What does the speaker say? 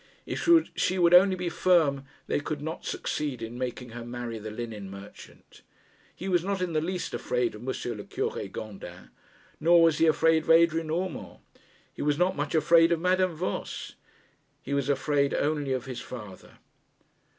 If she would only be firm, they could not succeed in making her marry the linen merchant. He was not in the least afraid of M. le Cure Gondin; nor was he afraid of Adrian Urmand. He was not much afraid of Madame Voss. He was afraid only of his father.